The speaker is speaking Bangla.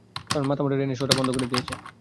কারণ মাথামোটা ডেনিস ওটা বন্ধ করে দিয়েছে।